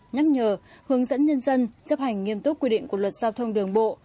nhắc nhở hướng dẫn nhân dân chấp hành nghiêm túc quy định của luật giao thông đường bộ